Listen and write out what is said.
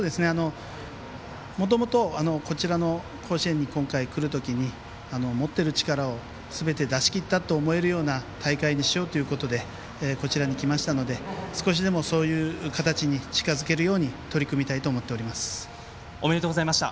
もともとこちらの甲子園に今回、来る時に持っている力をすべて出しきったと思えるような大会にしようということでこちらに来ましたので少しでも、そういう形に近づけるように取り組みたいとおめでとうございました。